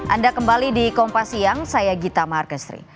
anda kembali di kompas siang saya gita markestri